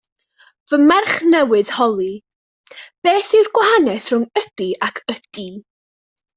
Fy merch newydd holi, beth yw'r gwahaniaeth rhwng ydy ac ydi?